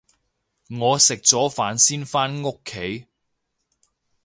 我食咗飯先返屋企